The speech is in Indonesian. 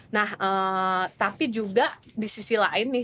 nah tapi juga di sisi lain nih